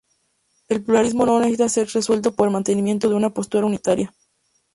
El pluralismo no necesita ser resuelto por el mantenimiento de una postura unitaria.